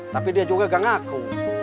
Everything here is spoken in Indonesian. tapi dia juga gak ngaku